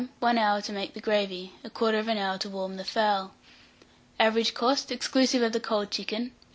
1 hour to make the gravy, 1/4 hour to warm the fowl. Average cost, exclusive of the cold chicken, 8d.